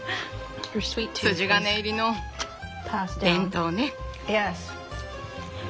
筋金入りの伝統ね。